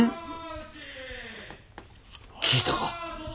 聞いたか？